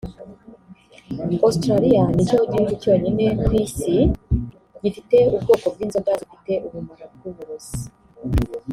Australia ni cyo gihugu cyonyine ku isi gifite ubwoko bw’inzoka zifite ubumara bw’uburozi